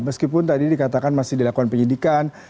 meskipun tadi dikatakan masih dilakukan penyidikan